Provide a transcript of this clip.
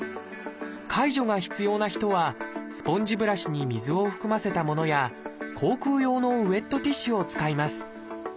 介助が必要な人はスポンジブラシに水を含ませたものや口腔用のウエットティッシュを使います。